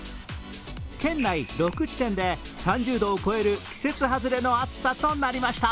県内６地点で３０度を超える季節はずれの暑さとなりました。